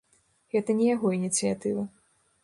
Гэта не яго ініцыятыва.